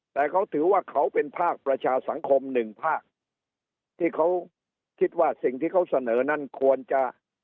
แต่เขาถือว่าเขาเป็นภาคประชาสังคมหนึ่งภาคที่เขาคิดว่าสิ่งที่เขาเสนอนั้นควรจะ